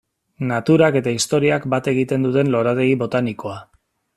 Naturak eta historiak bat egiten duten lorategi botanikoa.